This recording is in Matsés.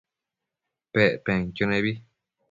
Pec penquio nebi